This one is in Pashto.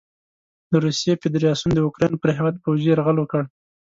د روسیې فدراسیون د اوکراین پر هیواد پوځي یرغل وکړ.